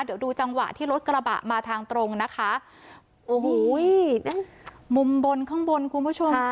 เดี๋ยวดูจังหวะที่รถกระบะมาทางตรงนะคะโอ้โหมุมบนข้างบนคุณผู้ชม